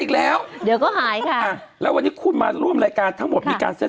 อีกแล้วเดี๋ยวก็หายละวันนี้คุณมาร่วมรายการทั้งหมดมีการสั้นไม่